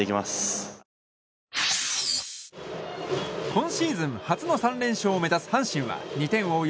今シーズン初の３連勝を目指す阪神は２点を追う